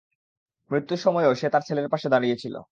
মৃত্যুর সময়ও সে তার ছেলের পাশে দাঁড়িয়েছিল।